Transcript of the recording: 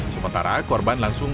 sementara korban langsung